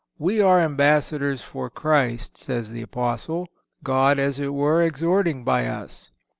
"We are ambassadors for Christ," says the Apostle; "God, as it were, exhorting by us."